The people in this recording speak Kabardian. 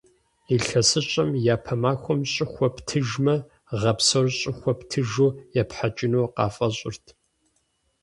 ИлъэсыщӀэм и япэ махуэм щӀыхуэ птыжмэ, гъэ псор щӀыхуэ птыжу епхьэкӀыну къафӀэщӏырт.